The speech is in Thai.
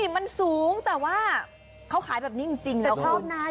มันสูงแต่ว่าเขาขายแบบนี้จริงแล้ว